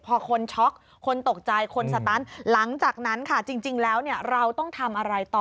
พอคนช็อกคนตกใจคนสตันหลังจากนั้นค่ะจริงแล้วเราต้องทำอะไรต่อ